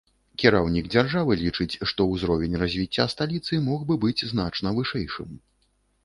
Кіраўнік дзяржавы лічыць, што ўзровень развіцця сталіцы мог бы быць значна вышэйшым.